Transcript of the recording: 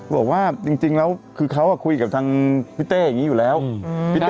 บอกว่าจริงแล้วคือเขาคุยกับทางพี่เต้อย่างนี้อยู่แล้วพี่เต้